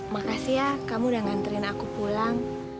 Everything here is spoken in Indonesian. makasih ya kamu udah nganterin aku pulang